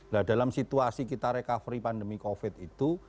nah dalam situasi kita recovery pandemi covid itu